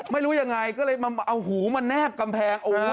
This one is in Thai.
ไม่รู้ยังไงก็เลยมาเอาหูมาแนบกำแพง